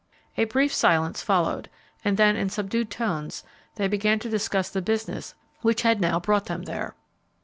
A brief silence followed, and then in subdued tones they began to discuss the business which had now brought them there.